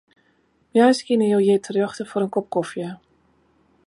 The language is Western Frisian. Moarns kinne jo hjir terjochte foar in kop kofje.